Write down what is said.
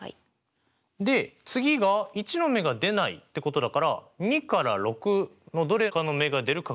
で次が１の目が出ないってことだから２から６のどれかの目が出る確率ってことですよね。